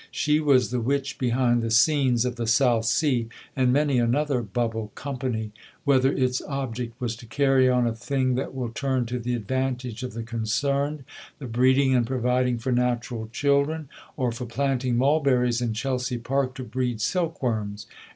She was the witch behind the scenes of the South Sea and many another bubble Company, whether its object was to "carry on a thing that will turn to the advantage of the concerned," "the breeding and providing for natural children," or "for planting mulberries in Chelsea Park to breed silk worms."